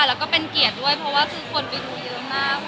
แล้วก็เป็นเกียรติด้วยเพราะว่าคือคนไปดูเยอะมาก